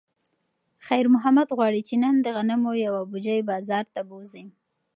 خیر محمد غواړي چې نن د غنمو یوه بوجۍ بازار ته بوځي.